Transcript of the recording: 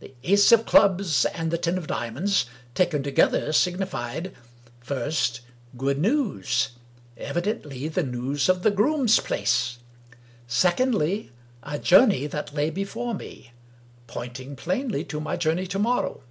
The Ace of Clubs and the Ten of Diamonds, taken to gether, signified — ^first, good news (evidently the news of the groom's place); secondly, a journey that lay before me (pointing plainly to my journey to morrow!)